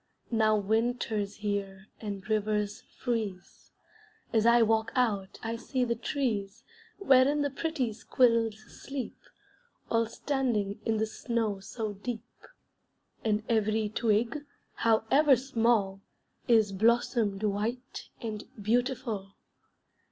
Now winter's here and rivers freeze; As I walk out I see the trees, Wherein the pretty squirrels sleep, All standing in the snow so deep: And every twig, however small, Is blossomed white and beautiful.